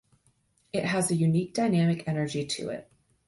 It has a unique dynamic energy to it.